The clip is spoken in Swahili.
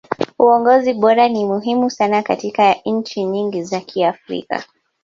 uongozi bora ni muhimu sana katika nchi nyingi za kiafrika